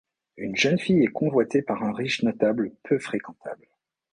Une jeune fille est convoitée par un riche notable peu fréquentable.